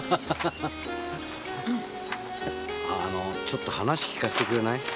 ちょっと話聞かせてくれない？